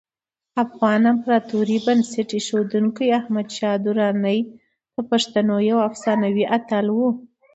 د افغان امپراتورۍ بنسټ ایښودونکی احمدشاه درانی د پښتنو یو افسانوي اتل و.